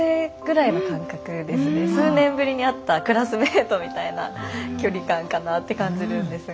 数年ぶりに会ったクラスメートみたいな距離感かなって感じるんですが。